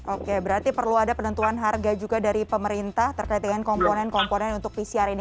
oke berarti perlu ada penentuan harga juga dari pemerintah terkait dengan komponen komponen untuk pcr ini